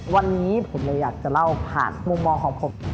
วันนี้ผมเลยอยากจะเล่าผ่านมุมมองของผม